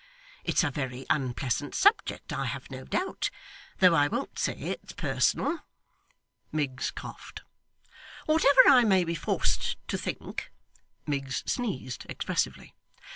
It's a very unpleasant subject, I have no doubt, though I won't say it's personal' Miggs coughed 'whatever I may be forced to think' Miggs sneezed expressively.